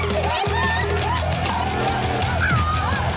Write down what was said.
กำลัง